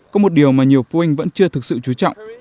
có một điều mà nhiều phụ huynh vẫn chưa thực sự chú trọng